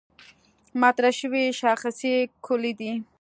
مطرح شوې شاخصې کُلي دي.